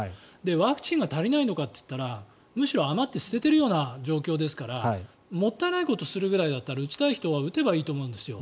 ワクチンが足りないのかといったらむしろ余って捨てているような状況ですからもったいないことをするぐらいだったら打ちたい人は打てばいいと思うんですよ。